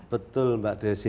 betul mbak desi